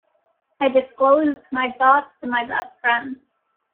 I disclosed my thoughts to my best friends.